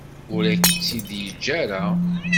Ur ak-tt-id-yeǧǧa ara.